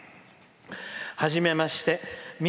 「はじめまして。